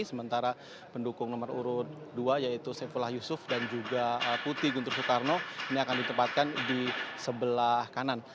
sementara pendukung nomor urut dua yaitu saifullah yusuf dan juga putih guntur soekarno ini akan ditempatkan di sebelah kanan